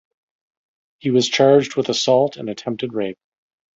He was charged with assault and attempted rape.